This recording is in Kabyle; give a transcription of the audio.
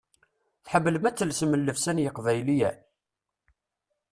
Tḥemmlem ad telsem llebsa n yeqbayliyen?